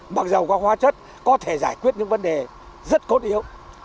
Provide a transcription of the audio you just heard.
mặc dù các hóa chất có thể giải quyết những vấn đề rất cốt yếu